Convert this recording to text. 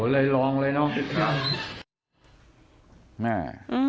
เลยลองเลยเนาะ